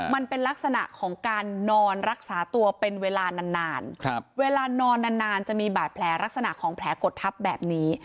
มันเป็นลักษณะของการนอนรักษาตัวเป็นเวลานานเวลานอนนานจะมีบาดแผลลักษณะของแผลกดทับแบบนี้